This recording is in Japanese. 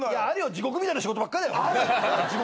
地獄みたいな仕事ばっかだよ。